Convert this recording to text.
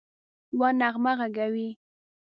یوه نغمه ږغوي